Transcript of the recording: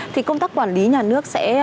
thì công tác quản lý nhà nước sẽ